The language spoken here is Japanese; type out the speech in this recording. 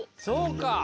そうか。